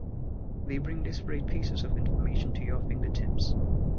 We bring disparate pieces of information to your fingertips.